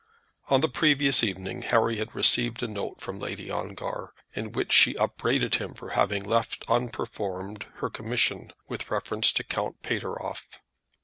On the previous evening Harry had received a note from Lady Ongar, in which she upbraided him for having left unperformed her commission with reference to Count Pateroff.